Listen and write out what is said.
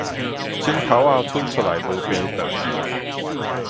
指頭仔伸出來無平長